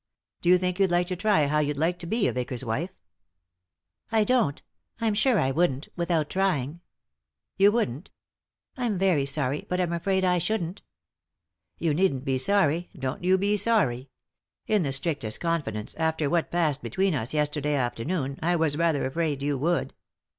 Do you think you'd like to try how you'd like to be a vicar's wife f " "I don't — I'm sure I wouldn't, without trying." "You wouldn't?" " I'm very sorry, but I'm afraid I shouldn't." " You needn't be sorry ; don't you be sorry. In the strictest confidence, after what passed between us yesterday afternoon, I was rather afraid you would.